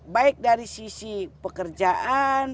baik dari sisi pekerjaan